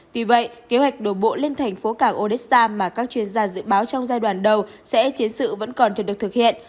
tuy vậy kế hoạch đổ bộ lên thành phố cảng odessa mà các chuyên gia dự báo trong giai đoạn đầu sẽ chiến sự vẫn còn chưa được thực hiện